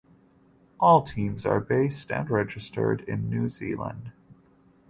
All teams are based and registered in New Zealand.